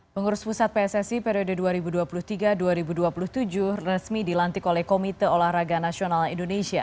pengurus pusat pssi periode dua ribu dua puluh tiga dua ribu dua puluh tujuh resmi dilantik oleh komite olahraga nasional indonesia